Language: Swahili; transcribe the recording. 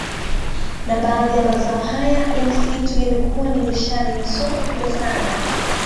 Na baadhi ya mazao haya ya misitu yamekuwa ni biashara yenye soko kubwa sana